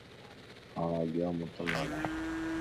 ھاڻ اڳيان متان ڳالھائين